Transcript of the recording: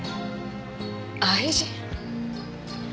愛人！？